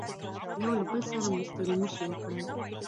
یو له بل سره مو ستړي مشي وکړل.